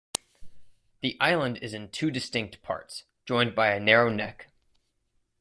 The island is in two distinct parts, joined by a narrow neck.